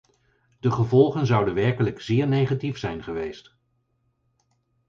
De gevolgen zouden werkelijk zeer negatief zijn geweest.